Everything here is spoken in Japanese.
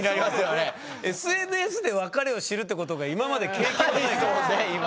ＳＮＳで別れを知るってことが今まで経験がないから。